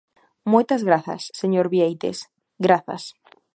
Moitas grazas, señor Bieites, grazas.